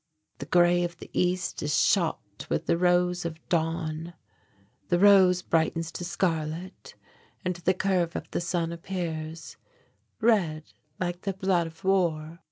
The grey of the east is shot with the rose of dawn.... The rose brightens to scarlet and the curve of the sun appears red like the blood of war....